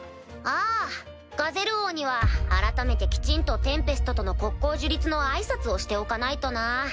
あガゼル王には改めてきちんとテンペストとの国交樹立の挨拶をしておかないとな。